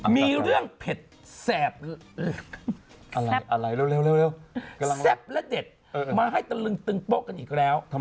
มีเรื่องเผ็ดแสบอะไรอะไรเร็วแซ่บและเด็ดมาให้ตะลึงตึงโป๊ะกันอีกแล้ว